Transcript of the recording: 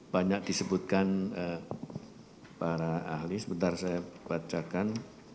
banyak disebutkan para ahli sebentar saya bacakan